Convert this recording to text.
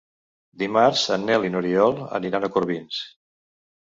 Dimarts en Nel i n'Oriol aniran a Corbins.